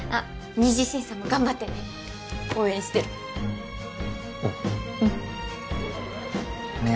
２次審査も頑張ってね応援してるおううんねえ